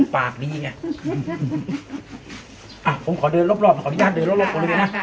ปากดีไงอ่ะผมขอเดินรอบรอบขออนุญาตเดินรอบรอบกว่าดีกว่านะค่ะค่ะ